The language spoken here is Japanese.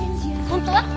本当は？